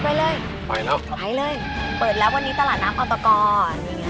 เปิดแล้ววันนี้ตลาดน้ำอัตกร